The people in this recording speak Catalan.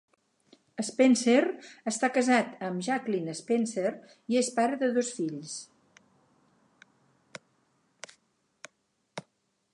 Spencer està casat amb Jacklyn Spencer i és pare de dos fills.